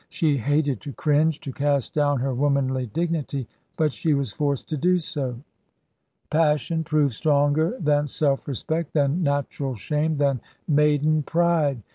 She hated to cringe, to cast down her womanly dignity; but she was forced to do so. Passion proved stronger than self respect, than natural shame, than maiden pride.